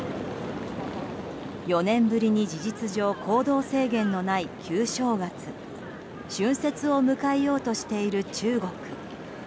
４年ぶりに事実上、行動制限のない旧正月・春節を迎えようとしている中国。